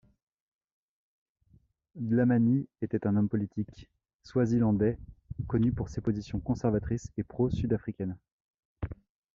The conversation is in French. Dlamani était un homme politique swazilandais connu pour ses positions conservatrices et pro sud-africaines.